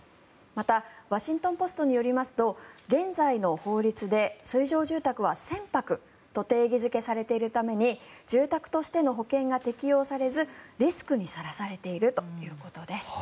またワシントン・ポストによりますと現在の法律で水上住宅は船舶と定義付けされているために住宅としての保険が適用されずリスクにさらされているということです。